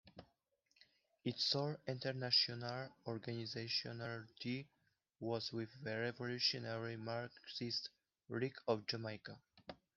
Its sole international organizational tie was with the Revolutionary Marxist League of Jamaica.